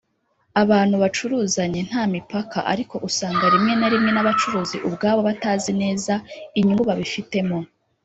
abantu bacuruzanye nta mipaka ariko usanga rimwe na rimwe n’abacuruzi ubwabo batazi neza inyungu babifitemo